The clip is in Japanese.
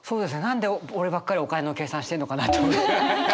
何で俺ばっかりお金の計算してんのかなと。